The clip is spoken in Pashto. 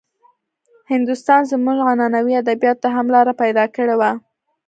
هندوستان زموږ عنعنوي ادبياتو ته هم لاره پيدا کړې وه.